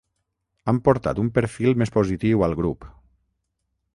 Han portat un perfil més positiu al grup.